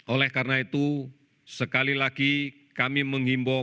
oleh karena itu sekali lagi kami menghimbau